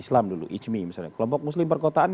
islam dulu ijmi misalnya kelompok muslim perkotaan